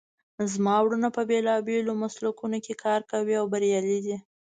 زما وروڼه په بیلابیلو مسلکونو کې کار کوي او بریالي دي